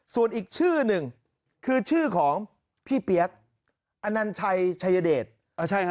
ส่วนอีกชื่อหนึ่งคือชื่อของพี่เปี๊ยกอนัญชัยชัยเดช